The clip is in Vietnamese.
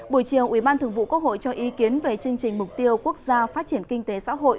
buổi chiều ủy ban thường vụ quốc hội cho ý kiến về chương trình mục tiêu quốc gia phát triển kinh tế xã hội